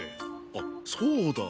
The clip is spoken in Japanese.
あっそうだ！